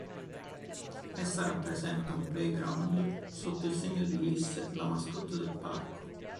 Essa rappresenta un playground sotto il segno di "Ulisse", la mascotte del parco.